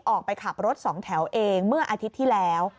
ออกไปขับรถสองแถวเองเมื่ออาทิตย์ที่แล้ว